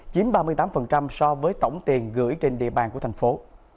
chiếm ba mươi tám so với tổng tiền gửi trên địa bàn của thành phố